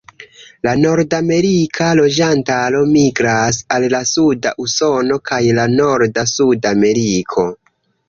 La nordamerika loĝantaro migras al la suda Usono kaj la norda Suda Ameriko.